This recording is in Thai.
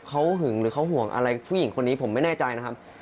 เขาหึงหรือเขาห่วงอะไรผู้หญิงคนนี้ผมไม่แน่ใจนะครับ